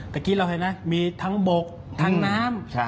เมื่อกี้เราเห็นนะมีทั้งบกทั้งน้ำ